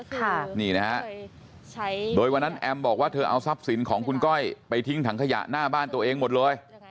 ค่ะนี่นะฮะโดยวันนั้นแอมบอกว่าเธอเอาทรัพย์สินของคุณก้อยไปทิ้งถังขยะหน้าบ้านตัวเองหมดเลย